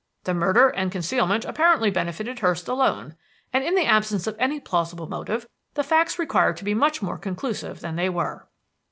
The murder and concealment apparently benefited Hurst alone; and, in the absence of any plausible motive, the facts required to be much more conclusive than they were."